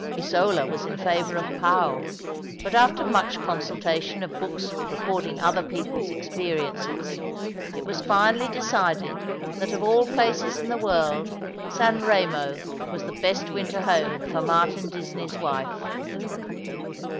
Isola was in favour of Pau, but after much consultation of books recording other people's experiences, it was finally decided that of all places in the world, San Eemo was the best winter home for Martin Disney's wife.